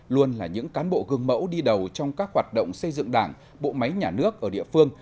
luôn là những cán bộ gương mẫu đi đầu trong các hoạt động xây dựng đảng bộ máy nhà nước ở địa phương